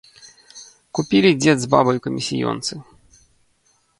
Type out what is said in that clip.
Купілі дзед з бабай у камісіёнцы.